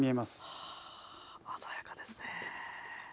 はぁ鮮やかですね。